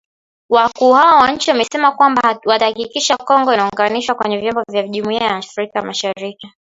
Wakuu hao wa nchi wamesema kwamba watahakikisha Kongo inaunganishwa kwenye vyombo vya Jumuiya Ya Afrika mashariki